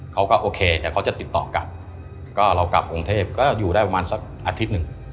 เขาก็โอเคเดี๋ยวเขาจะติดต่อกลับก็เรากลับกรุงเทพก็อยู่ได้ประมาณสักอาทิตย์หนึ่ง